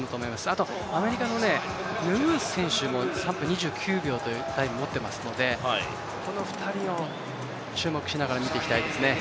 あとアメリカのヌグース選手もいいタイムを持っていますのでこの２人に注目しながら見ていきたいですね。